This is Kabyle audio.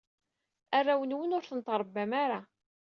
Arraw-nwen, ur ten-trebbam ara.